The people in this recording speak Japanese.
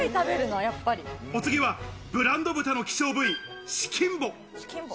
お次はブランド豚の希少部位シキンボ。